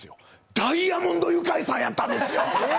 ダイアモンド☆ユカイさんやったんですよ！